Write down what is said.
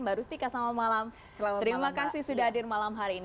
mbak rustika selamat malam terima kasih sudah hadir malam hari ini